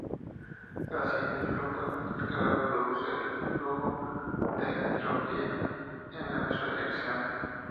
Así, el flujo de calor produce un flujo de entropía en la misma dirección.